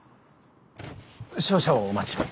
少々お待ちを。